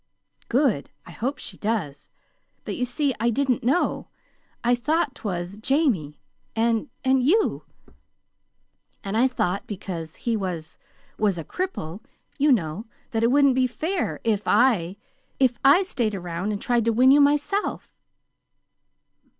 "Good! I hope she does; but, you see, I didn't know. I thought 'twas Jamie and you. And I thought that because he was was a cripple, you know, that it wouldn't be fair if I if I stayed around and tried to win you myself."